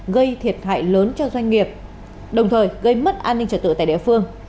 gây thiệt hại lớn cho doanh nghiệp đồng thời gây mất an ninh trở tự tại địa phương